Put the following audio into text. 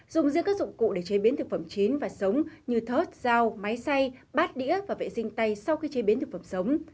dùng giữa các dụng cụ để chế biến thực phẩm chín và sống như thớt dao máy xay bát đĩa và vệ sinh tay sau khi chế biến thực phẩm sống